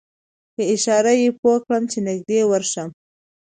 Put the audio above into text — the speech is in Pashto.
په اشاره یې پوی کړم چې نږدې ورشم.